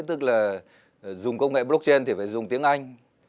tức là dùng công nghệ blockchain thì phải dùng tiếng anh